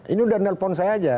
ini udah nelpon saya aja